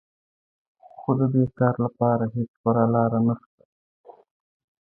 خو د دې کار لپاره هېڅ پوره لاره نهشته